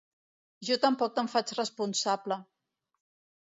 Jo tampoc te'n faig responsable.